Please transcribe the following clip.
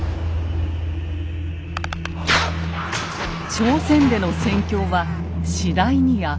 朝鮮での戦況は次第に悪化。